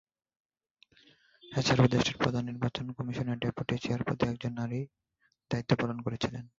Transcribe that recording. এছাড়াও দেশটির প্রধান নির্বাচন কমিশনের ডেপুটি চেয়ার পদে একজন নারী দায়িত্ব পালন করছিলেন।